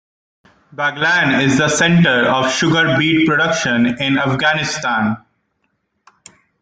Baghlan is the center of sugar beet production in Afghanistan.